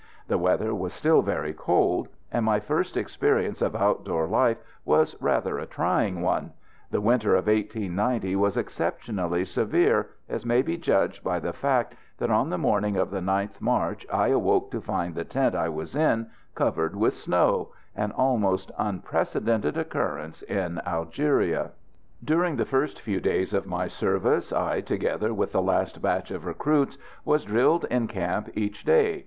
The weather was still very cold, and my first experience of outdoor life was rather a trying one. The winter of 1890 was exceptionally severe, as may be judged by the fact that on the morning of the 9th March I awoke to find the tent I was in covered with snow an almost unprecedented occurrence in Algeria. During the first few days of my service I, together with the last batch of recruits, was drilled in camp each day.